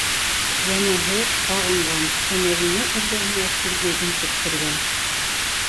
Йәнәһе, һағынған, ә Мәҙинә эргәһенә килмәй интектергән.